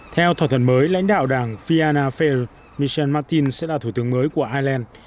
theo thỏa thuận mới lãnh đạo đảng fianna fair michel martin sẽ là thủ tướng mới của ireland